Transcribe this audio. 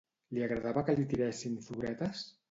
Li agradava que li tiressin floretes?